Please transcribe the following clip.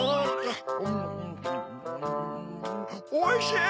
おいしい！